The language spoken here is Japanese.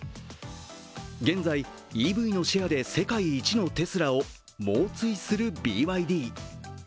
現在、ＥＶのシェアで世界一のテスラを猛追するＢＹＤ。